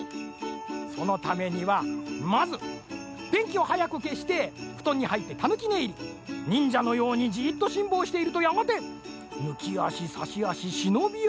そのためにはまずでんきをはやくけしてふとんにはいってたぬきねいり。にんじゃのようにじっとしんぼうしているとやがてぬきあしさしあししのびあし。